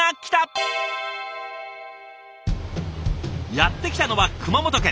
やって来たのは熊本県。